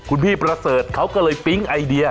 คุณพี่ประเสริฐเขาก็เลยปิ๊งไอเดีย